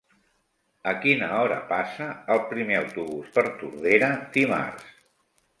A quina hora passa el primer autobús per Tordera dimarts?